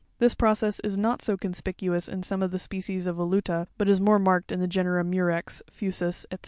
'This process is not so conspicuous in some of the species of Voluta, but is more marked in the genera Murex, Fusus, &c.